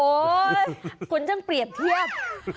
โอ๊ยคุณจ้างเปรียบเทียบ